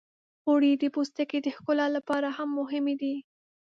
غوړې د پوستکي د ښکلا لپاره هم مهمې دي.